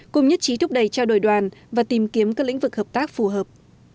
cùng nhất trí thúc đẩy trao đổi đoàn và tìm kiếm các lĩnh vực hợp tác phù hợp